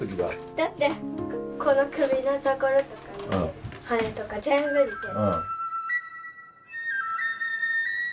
だってこの首のところとかね羽とか全部似てる。